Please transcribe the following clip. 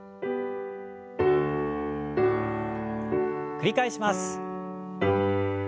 繰り返します。